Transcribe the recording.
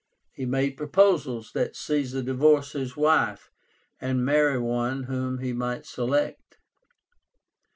He made proposals that Caesar divorce his wife and marry one whom he might select.